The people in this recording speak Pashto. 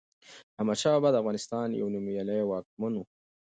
احمد شاه بابا دافغانستان يو نوميالي واکمن وه